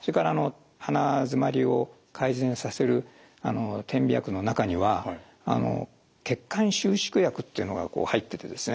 それからあの鼻詰まりを改善させる点鼻薬の中には血管収縮薬っていうのが入っててですね。